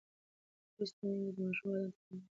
لوستې میندې د ماشوم بدن ته پاملرنه کوي.